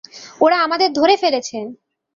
ওরা আমাদের ধরে ফেলেছে!